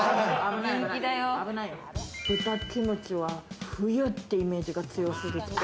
豚キムチは冬ってイメージが強すぎて。